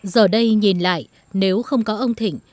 giờ đây nhìn lại nếu không có ông thịnh